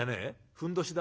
ふんどしだ？